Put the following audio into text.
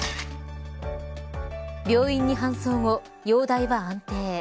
病院に搬送後、容体は安定。